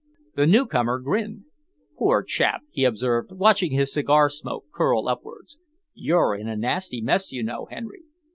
The newcomer grinned. "Poor chap!" he observed, watching his cigar smoke curl upwards. "You're in a nasty mess, you know, Henry.